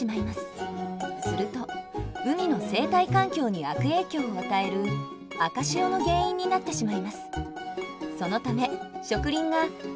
すると海の生態環境に悪影響を与える赤潮の原因になってしまいます。